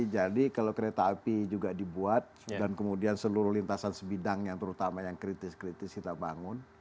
jadi kalau kereta api juga dibuat dan kemudian seluruh lintasan sebidang yang terutama yang kritis kritis kita bangun